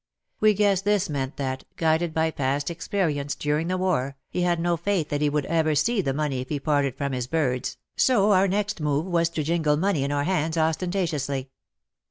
We guessed this meant that, guided by past experi ence during the war, he had no faith that he would ever see the money if he parted from his birds, so our next move was to jingle money in our hands ostentatiously.